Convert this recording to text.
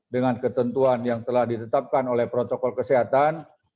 dengan ketentuan yang telah ditetapkan oleh protokol kesehatan